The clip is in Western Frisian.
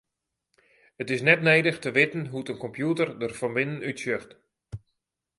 It is net nedich te witten hoe't in kompjûter der fan binnen útsjocht.